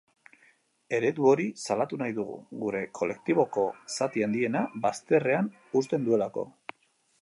Eredu hori salatu nahi dugu, gure kolektiboko zati handiena bazterrean uzten duelako.